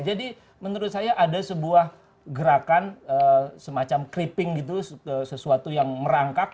jadi menurut saya ada sebuah gerakan semacam creeping gitu sesuatu yang merangkap